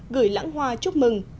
gửi lãng hoa chúc mừng